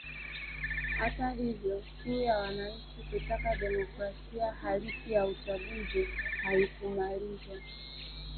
Hata hivyo kiu ya wananchi kutaka demokrasia halisi ya uchaguzi haikumalizwa